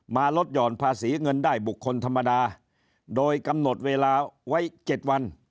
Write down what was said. มาลดห่อนภาษีเงินได้บุคคลธรรมดาโดยกำหนดเวลาไว้๗วัน